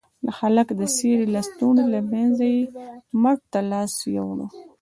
د هلك د څيرې لستوڼي له منځه يې مټ ته لاس يووړ.